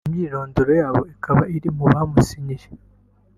imyirondoro yabo ikaba iri mu bamusinyiye